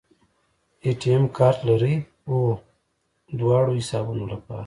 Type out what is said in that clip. اے ټي ایم کارت لرئ؟ هو، دواړو حسابونو لپاره